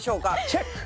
チェック！